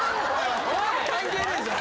関係ねえじゃん